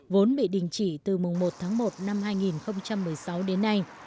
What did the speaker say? vốn bị đình chỉ từ mùng một tháng một năm hai nghìn một mươi sáu đến nay